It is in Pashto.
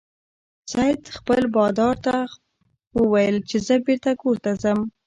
سید خپل بادار ته وویل چې زه بیرته کور ته ځم.